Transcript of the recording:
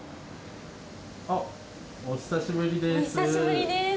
お久しぶりです。